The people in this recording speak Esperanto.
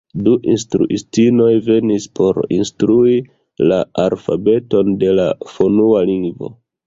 Du instruistinoj venis por instrui la alfabeton de la fonua lingvo.